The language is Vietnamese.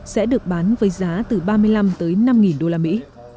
sẽ được bán với giá từ ba mươi năm tới năm đô la mỹ